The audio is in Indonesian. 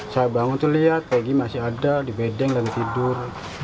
saya bangun tuh lihat egy masih ada di bedeng dan tidur